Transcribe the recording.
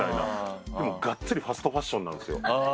でもがっつりファストファッションなんですよ。